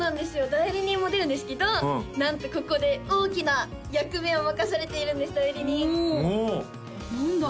代理人も出るんですけどなんとここで大きな役目を任されているんです代理人おお何だろう？